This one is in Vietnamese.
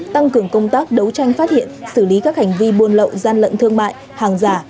trước khi phát hiện xử lý các hành vi buôn lậu gian lận thương mại hàng giả